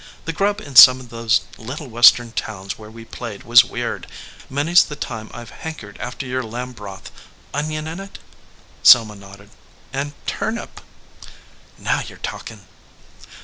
The grub in some of those little Western towns where we played was weird. Many s the time I ve hankered after your lamb broth. Onion in it?" Selma nodded. "And turnip." "Now you re talkin ."